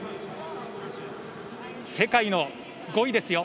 世界の５位ですよ。